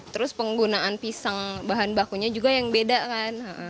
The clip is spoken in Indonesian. terus penggunaan pisang bahan bakunya juga yang beda kan